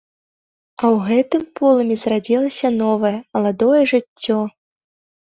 А ў гэтым полымі зарадзілася новае, маладое жыццё.